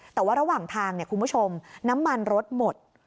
แต่ว่าระหว่างทางคุณผู้ชมน้ำมันรถหมด